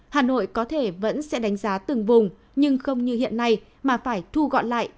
hà nội có thể vẫn sẽ đánh giá từng vùng nhưng không như hiện nay mà phải thu gọn lại